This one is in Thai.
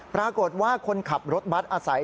ปรากฏว่าคนขับรถบัตรอาศัย